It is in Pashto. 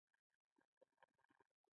ستاسې کار په ډېره بهتره بڼه سرته ورسوي.